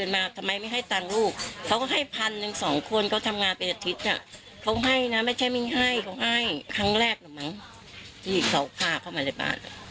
ไม่ใช่ไม่ให้เขาให้ครั้งแรกเหรอมั้งที่เขาพาเข้ามาในบ้าน